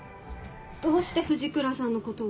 どうして藤倉さんのことを？